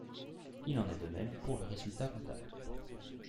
Il en est de même pour le résultat comptable.